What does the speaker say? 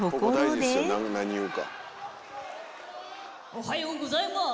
・おはようございます。